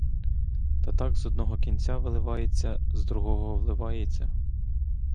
Та так з одного кінця виливається, з другого вливається.